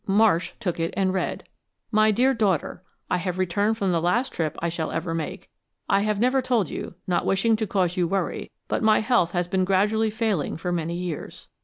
Marsh took it and read: My dear Daughter: I have returned from the last trip I shall ever make. I have never told you, not wishing to cause you worry, but my health has been gradually failing for many years.